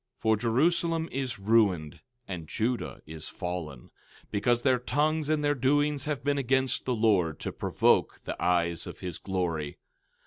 13:8 For Jerusalem is ruined, and Judah is fallen, because their tongues and their doings have been against the Lord, to provoke the eyes of his glory.